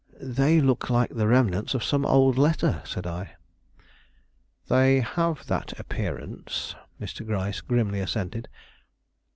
"They look like the remnants of some old letter," said I. "They have that appearance," Mr. Gryce grimly assented.